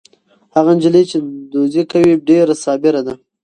هغه نجلۍ چې دوزي کوي ډېره صابره ده.